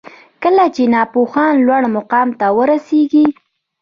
کله چي ناپوهان لوړ مقام ته ورسیږي